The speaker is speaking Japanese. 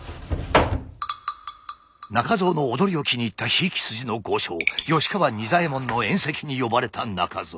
中蔵の踊りを気に入ったひいき筋の豪商吉川仁左衛門の宴席に呼ばれた中蔵。